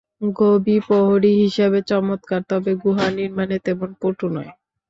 Gobi প্রহরী হিসাবে চমৎকার, তবে গুহা নির্মাণে তেমন পটু নয়।